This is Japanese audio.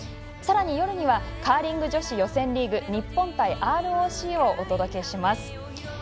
さらに夜にはカーリング女子予選リーグ日本対ＲＯＣをお届けします。